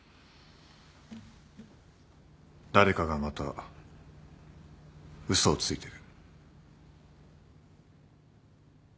誰かがまた嘘をついてる。